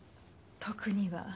特には。